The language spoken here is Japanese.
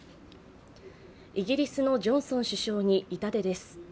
イギリスのジョンソン首相に痛手です。